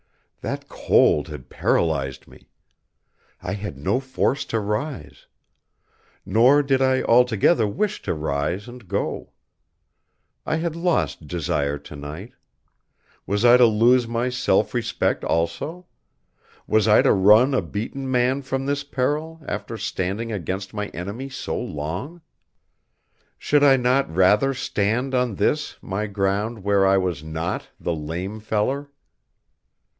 That cold had paralyzed me. I had no force to rise. Nor did I altogether wish to rise and go. I had lost Desire tonight. Was I to lose my self respect also? Was I to run a beaten man from this peril, after standing against my enemy so long? Should I not rather stand on this my ground where I was not the "lame feller"?